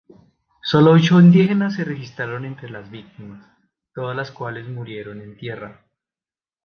Solo ocho indígenas se registraron entre las víctimas, todas las cuales murieron en tierra.